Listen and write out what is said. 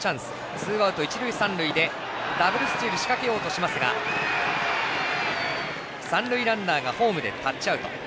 ツーアウト、一塁三塁でダブルスチール仕掛けようとしますが三塁ランナーがホームでタッチアウト。